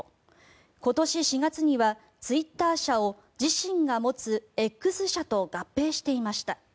今年４月にはツイッター社を自身が持つＸ社と合併していました。